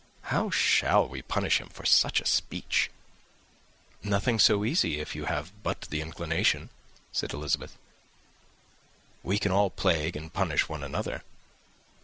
How shall we punish him for such a speech?" "Nothing so easy, if you have but the inclination," said Elizabeth. "We can all plague and punish one another.